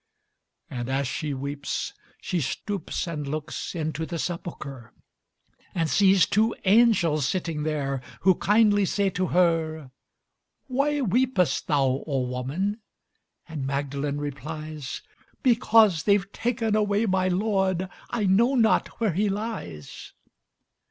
And as she weeps, she stoops and looks Into the sepulcher, And sees two angels sitting there Who kindly say to her: "Why weepest thou, oh, woman?" And Magdalene replies, "Because they've taken away my Lord; I know not where He lies."